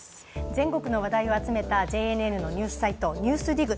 全国の話題を集めたＪＮＮのニュースサイト「ＮＥＷＳＤＩＧ」。